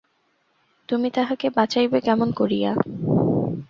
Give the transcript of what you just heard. তুমি তাহাকে বাঁচাইবে কেমন করিয়া।